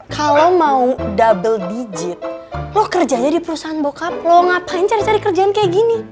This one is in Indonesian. kalau mau double digit lo kerjanya di perusahaan bokap lo ngapain cari cari kerjaan kayak gini